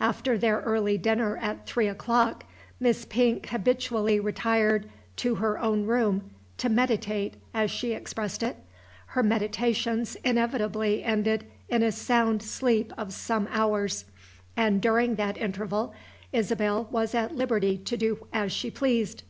After their early dinner at three o'clock, Miss Pink habitually retired to her own room "to meditate," as she expressed it. Her "meditations" inevitably ended in a sound sleep of some hours; and during that interval Isabel was at liberty to do as she pleased.